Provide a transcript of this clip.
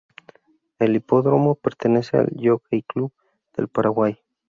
El hipódromo pertenece al "Jockey Club del Paraguay".